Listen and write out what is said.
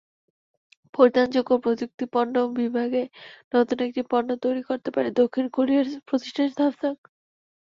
পরিধানযোগ্য প্রযুক্তিপণ্য বিভাগে নতুন একটি পণ্য তৈরি করতে পারে দক্ষিণ কোরিয়ার প্রতিষ্ঠান স্যামসাং।